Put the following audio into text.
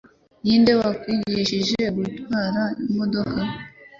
Ninde wakwigishije gutwara imodoka?